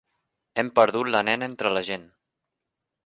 Hem perdut la nena entre la gent!